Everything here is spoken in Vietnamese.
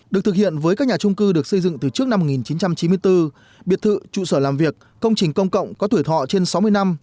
được thực hiện với các nhà trung cư được xây dựng từ trước năm một nghìn chín trăm chín mươi bốn biệt thự trụ sở làm việc công trình công cộng có tuổi thọ trên sáu mươi năm